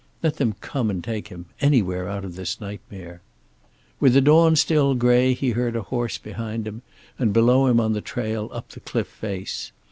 Let them come and take him, anywhere out of this nightmare. With the dawn still gray he heard a horse behind and below him on the trail up the cliff face.